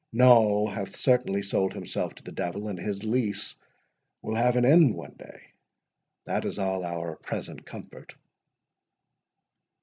Noll hath certainly sold himself to the devil, and his lease will have an end one day—that is all our present comfort."